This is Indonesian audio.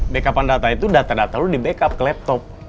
backupan data itu data data lo di backup ke laptop